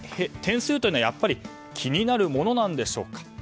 点数というのはやっぱり気になるものなんでしょうか。